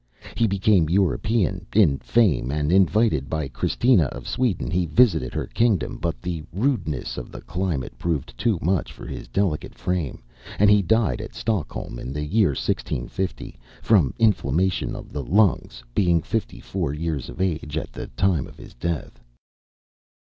He became European in fame; and, invited by Christina of Sweden, he visited her kingdom, but the rudeness of the climate proved too much for his delicate frame, and he died at Stockholm in the year 1650, from inflammation of the lungs, being fifty four years of age at the time of his death.